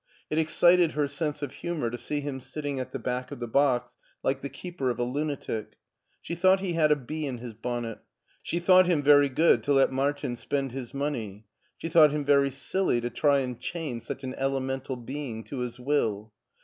It excited her sense of humor to see him sitting at the back of the box like the keeper of a Itmatic. She thought he had a bee in his bonnet. She thought him very good to let Martin spend his money; she thought him very silly to try and chain such an ele mental being to his will.